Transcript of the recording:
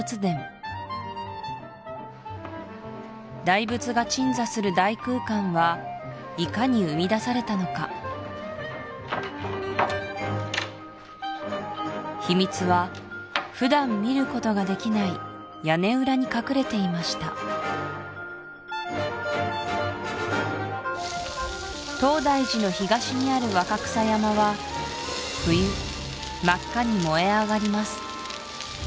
大仏が鎮座する大空間はいかに生みだされたのか秘密は普段見ることができない屋根裏に隠れていました東大寺の東にある若草山は冬真っ赤に燃え上がります